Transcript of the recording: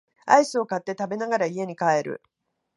アイスを買って食べながら家に帰る